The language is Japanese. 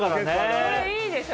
これいいでしょ？